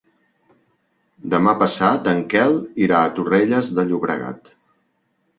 Demà passat en Quel irà a Torrelles de Llobregat.